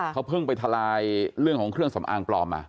เขาเพิ่งไปทลายเรื่องของเครื่องสำอางปลอมมา